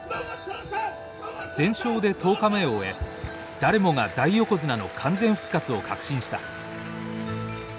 全勝で十日目を終え誰もが大横綱の完全復活を確信した。